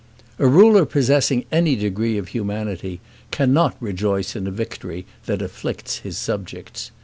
A ruler possessing any degree of humanity, cannot rejoice in a victory that afflicts his subjects.